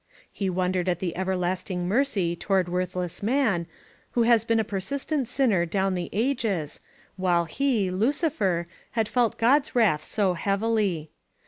He wondered at the Everlasting Mercy toward worthless Man, who has been a persistent sinner down the ages, while he, LvfCifer, h«^d felt God's wrath so heavily.